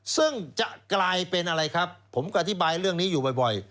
ซึ่งจะกลายเป็นอะไรครับผมก็อธิบายเรื่องนี้อยู่บ่อย